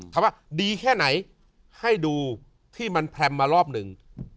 ถามว่าดีแค่ไหนให้ดูที่มันแพรมมารอบหนึ่ง